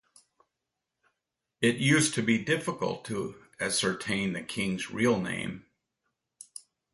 It used to be difficult to ascertain the king's real name.